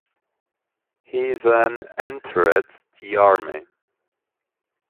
He then entered the army.